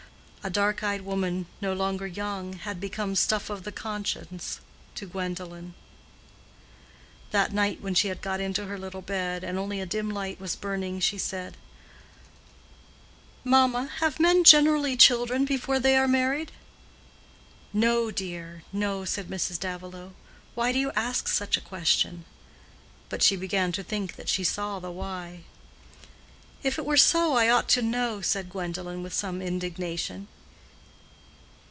A dark eyed woman, no longer young, had become "stuff o' the conscience" to Gwendolen. That night when she had got into her little bed, and only a dim light was burning, she said, "Mamma, have men generally children before they are married?" "No, dear, no," said Mrs. Davilow. "Why do you ask such a question?" (But she began to think that she saw the why.) "If it were so, I ought to know," said Gwendolen, with some indignation.